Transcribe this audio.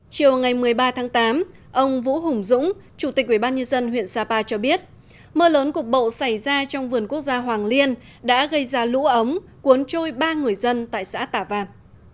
chiều ngày một mươi ba tháng tám ông vũ hùng dũng chủ tịch ubnd huyện sapa cho biết mưa lớn cục bộ xảy ra trong vườn quốc gia hoàng liên đã gây ra lũ ống cuốn trôi ba người dân tại xã tả văn